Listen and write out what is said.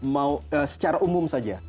mau secara umum saja